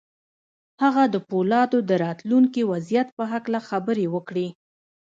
هغه د پولادو د راتلونکي وضعیت په هکله خبرې وکړې